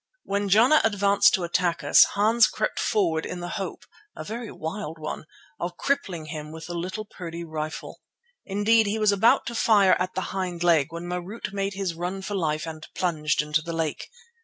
When Jana advanced to attack us Hans crept forward in the hope, a very wild one, of crippling him with the little Purdey rifle. Indeed, he was about to fire at the hind leg when Marût made his run for life and plunged into the lake.